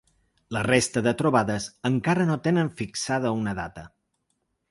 La resta de trobades encara no tenen fixada una data.